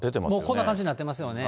こんな感じになってますよね。